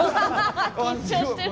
緊張してる？